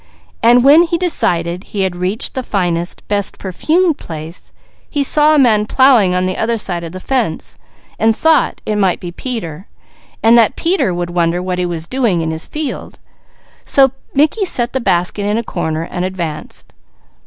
When he decided he had reached the finest, best perfumed place, he saw a man plowing on the other side of the fence and thought it might be Peter and that Peter would wonder what he was doing in his field, so Mickey set the basket in a corner and advanced.